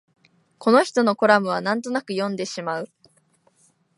この人のコラムはなんとなく読んでしまう